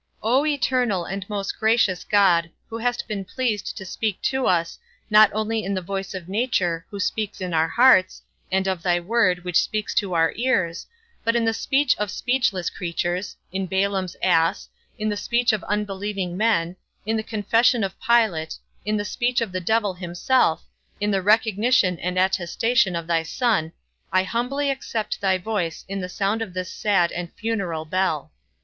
O eternal and most gracious God, who hast been pleased to speak to us, not only in the voice of nature, who speaks in our hearts, and of thy word, which speaks to our ears, but in the speech of speechless creatures, in Balaam's ass, in the speech of unbelieving men, in the confession of Pilate, in the speech of the devil himself, in the recognition and attestation of thy Son, I humbly accept thy voice in the sound of this sad and funeral bell.